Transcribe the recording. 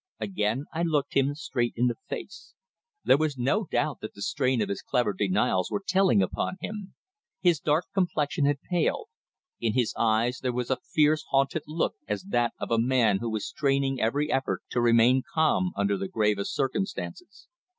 Again I looked him straight in the face. There was no doubt that the strain of his clever denials was telling upon him. His dark complexion had paled; in his eyes there was a fierce, haunted look as that of a man who was straining every effort to remain calm under the gravest circumstances.